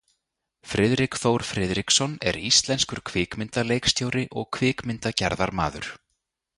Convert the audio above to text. Friðrik Þór Friðriksson er íslenskur kvikmyndaleikstjóri og kvikmyndagerðarmaður.